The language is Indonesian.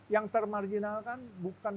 yang termarjinalkan bukan